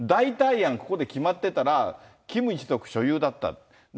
ここで決まってたら、キム一族所有だった。